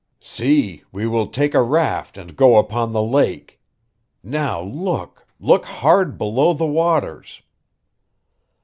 "See, we will take a raft and go upon the lake. Now look look hard below the waters."